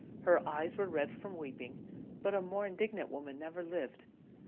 Her eyes were red with weeping, but a more indignant woman never lived.